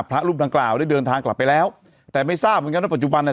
พระรูปดังกล่าวได้เดินทางกลับไปแล้วแต่ไม่ทราบเหมือนกันว่าปัจจุบันอ่ะ